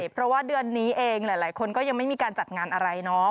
เพราะว่าเดือนนี้เองหลายคนก็ยังไม่มีการจัดงานอะไรเนาะ